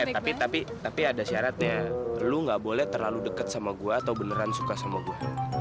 eh tapi tapi tapi ada syaratnya lu gak boleh terlalu deket sama gua atau beneran suka sama gua